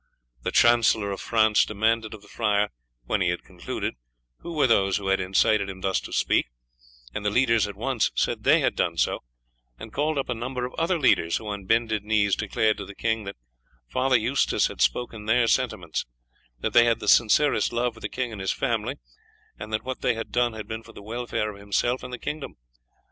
The Chancellor of France demanded of the friar when he had concluded who were those who had incited him thus to speak, and the leaders at once said they had done so, and called up a number of other leaders, who on bended knees declared to the king that Father Eustace had spoken their sentiments; that they had the sincerest love for the king and his family, and that what they had done had been for the welfare of himself and the kingdom.